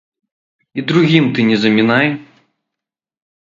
І другім ты не замінай.